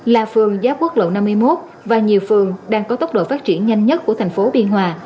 là phường giáp quốc lộ năm mươi một và nhiều phường đang có tốc độ phát triển nhanh nhất của thành phố biên hòa